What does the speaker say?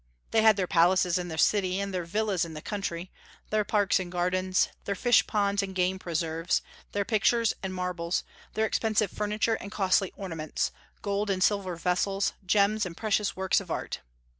They had their palaces in the city and their villas in the country, their parks and gardens, their fish ponds and game preserves, their pictures and marbles, their expensive furniture and costly ornaments, gold and silver vessels, gems and precious works of art.